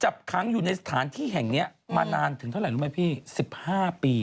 ค้างอยู่ในสถานที่แห่งนี้มานานถึงเท่าไหร่รู้ไหมพี่๑๕ปี